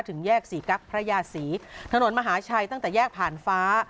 ถึงแยกศรีกั๊กพระยาศรีถนนมหาชัยตั้งแต่แยกผ่านฟ้า